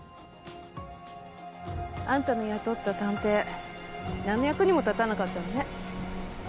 あんたの雇った探偵何の役にも立たなかったわね。